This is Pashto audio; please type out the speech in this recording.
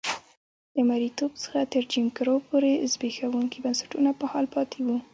له مریتوب څخه تر جیم کرو پورې زبېښونکي بنسټونه په حال پاتې وو.